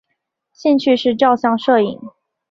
兴趣是照相摄影。